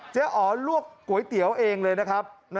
อ๋อลวกก๋วยเตี๋ยวเองเลยนะครับ